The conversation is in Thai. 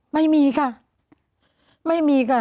ไม่มีค่ะ